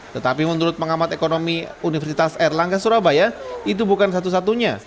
tetapi menurut pengamat ekonomi universitas erlangga surabaya itu bukan satu satunya